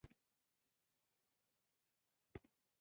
روزې خان کاکا سخت ټوکمار وو ، خلک به ئی خندول